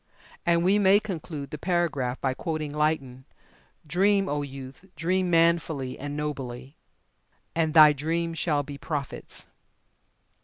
And we may conclude the paragraph by quoting Lytton: "Dream, O youth, dream manfully and nobly, and thy dreams shall be prophets."